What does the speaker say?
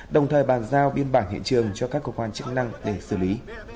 đồng thời bàn giao biên bản hiện trường cho các cơ quan chức năng để xử lý